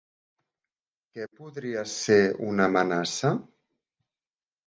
Què podria ser una amenaça?